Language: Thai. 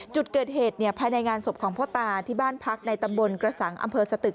จุดเกิดเหตุภายในงานศพของพ่อตาที่บ้านพักในตำบลกระสังอำเภอสตึก